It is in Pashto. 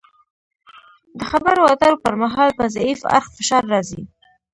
د خبرو اترو پر مهال په ضعیف اړخ فشار راځي